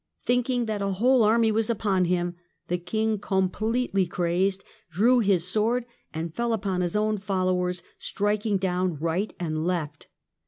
Thinking that a whole army was upon him, the King, completely crazed, drew his sword and fell upon his own fol lowers, striking down right and left.